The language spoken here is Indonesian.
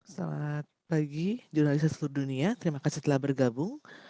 selamat pagi jurnalis seluruh dunia terima kasih telah bergabung